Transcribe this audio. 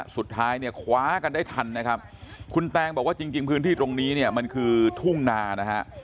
สุดท้ายเนี่ยคว้ากันได้ทันนะครับคุณแตงบอกว่าจริงพื้นที่ตรงนี้เนี่ยมันคือทุ่งนานะฮะ